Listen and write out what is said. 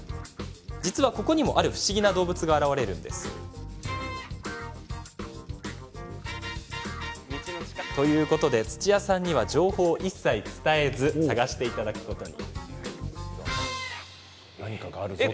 実は、ここにもある不思議な動物が現れるんです。ということで土屋さんには情報を一切伝えず探していただくことに。